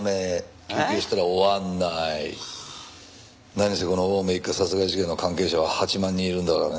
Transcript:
何せこの青梅一家殺害事件の関係者は８万人いるんだからね。